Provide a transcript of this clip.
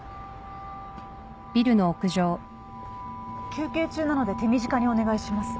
休憩中なので手短にお願いします。